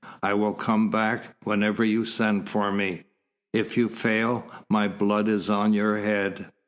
"I will come back whenever you send for me." "If you fail, my blood is on your head."